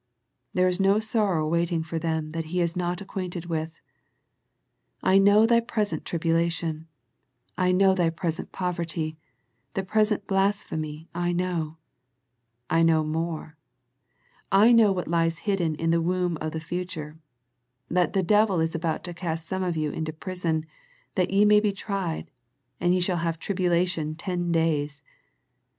There is no sorrow waiting for them that He is not ac quainted with. I know thy present tribulation. I know thy present poverty, the present blas phemy I know. I know more. I know what lies hidden in the womb of the future, that " the devil is about to cast some of you into prison, that ye may be tried, and ye shall have tribulation ten days."